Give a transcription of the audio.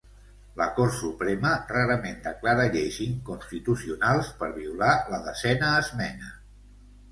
La Cort Suprema rarament declara lleis inconstitucionals per violar la Desena esmena.